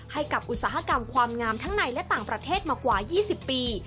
อุตสาหกรรมความงามทั้งในและต่างประเทศมากว่า๒๐ปี